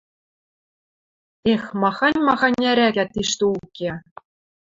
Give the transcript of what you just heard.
Эх, махань-махань ӓрӓкӓ тиштӹ уке!